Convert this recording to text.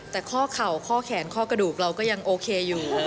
แต่ข้อเข่าข้อแขนข้อกระดูกเราก็ยังโอเคอยู่